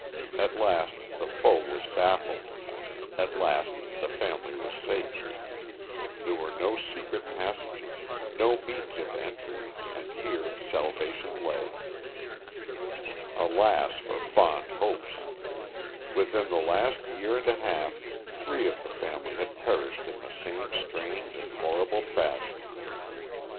At last the foe was baffled; at last the family was safe. There were no secret passages, no means of entry; and here salvation lay. Alas for fond hopes! Within the last year and a half three of the family had perished in the same strange and horrible fashion.